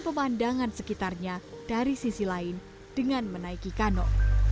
pemandangan sekitarnya dari sisi lain dengan menaiki kano